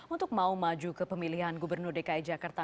untuk mau maju ke pemilihan gubernur dki jakarta